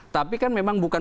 tapi kan memang bukan